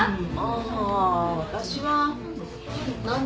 あ私は何でも。